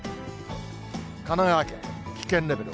神奈川県、危険レベル。